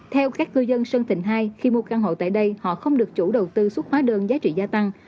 theo các cư dân sơn thịnh hai khi mua căn hộ tại đây họ không được chủ đầu tư xuất hóa đơn giá trị gia tăng